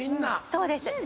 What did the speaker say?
そうです。